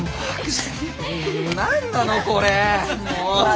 何なのこれもう！